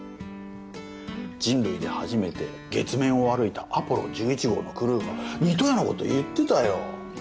人類で初めて月面を歩いたアポロ１１号のクルーが似たようなこと言ってたよ。